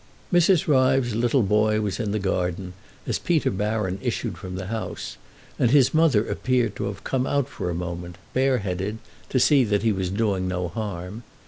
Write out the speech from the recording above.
Mrs. Ryves's little boy was in the garden as Peter Baron issued from the house, and his mother appeared to have come out for a moment, bareheaded, to see that he was doing no harm.